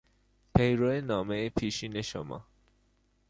پیرو نامهی پیشین شما